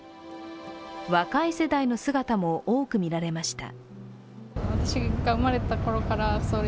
若い世代の姿も多く見られました。